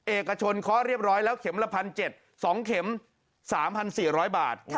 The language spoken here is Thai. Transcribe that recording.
เอกชนเคาะเรียบร้อยแล้วเข็มละ๑๗๐๐๒เข็ม๓๔๐๐บาท